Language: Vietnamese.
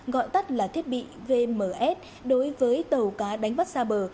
gọi tắt là thiết bị vms đối với tàu cá đánh bắt xa bờ